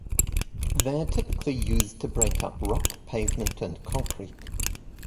They are typically used to break up rock, pavement, and concrete.